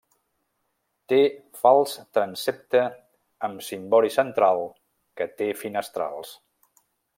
Té fals transsepte amb cimbori central que té finestrals.